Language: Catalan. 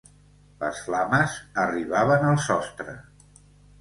Les flames arribaven al sostre.